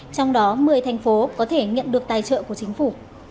trong đó một mươi thành phố có thể nhận được tài trợ của chính phủ